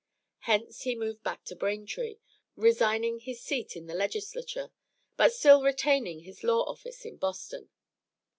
Hence, he moved back to Braintree, resigning his seat in the Legislature, but still retaining his law office in Boston.